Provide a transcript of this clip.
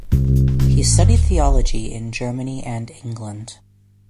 He studied theology in Germany and England.